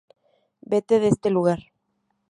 Vete de este lugar.